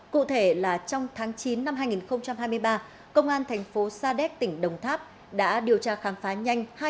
cụ thể là trong tháng chín năm hai nghìn hai mươi ba công an thành phố sa đéc tỉnh đồng tháp đã điều tra khám phá nhanh